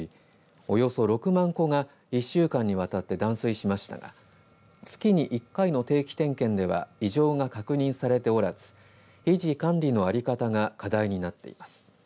およそ６万戸が１週間にわたって断水しましたが月に１回の定期点検では異常が確認されておらず維持、管理のあり方が課題になっています。